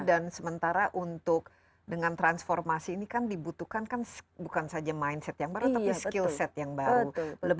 dan sementara untuk dengan transformasi ini kan dibutuhkan bukan saja mindset yang baru tapi skillset yang baru